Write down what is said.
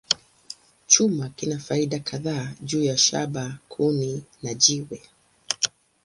Chuma kina faida kadhaa juu ya shaba, kuni, na jiwe.